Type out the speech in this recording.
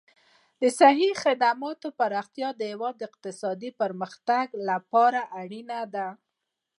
د صحي خدماتو پراختیا د هېواد اقتصادي پرمختګ لپاره اړین دي.